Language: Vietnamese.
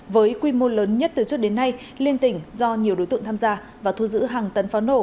với quy mô lớn nhất từ trước đến nay liên tỉnh do nhiều đối tượng tham gia và thu giữ hàng tấn pháo nổ